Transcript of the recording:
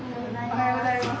おはようございます。